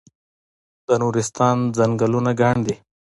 د نورستان ځنګلونه ګڼ دي